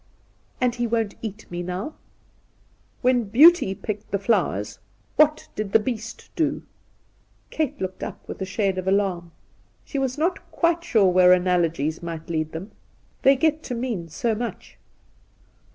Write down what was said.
' And he won't eat me now ?'' When Beauty picked the flowers, what did the Beast do ?' Kate looked up with a shade of alarm. She was not quite sure where analogies might lead them— they get to mean so much.